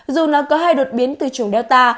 dù nó có hai đột biến từ chủng delta